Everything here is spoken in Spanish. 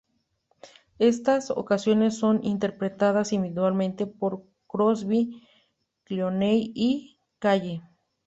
Estas canciones son interpretadas individualmente por Crosby, Clooney y Kaye.